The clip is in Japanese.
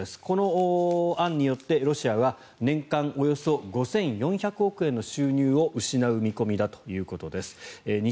この案によってロシアは年間およそ５４００億円の収入を失う見込みだということです。